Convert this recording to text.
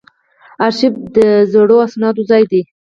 ارشیف د زړو اسنادو ځای دی